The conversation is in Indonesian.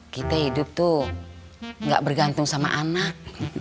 kita hidup tuh gak bergantung sama anak